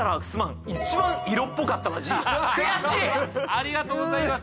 ありがとうございます。